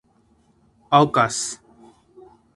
Aucas.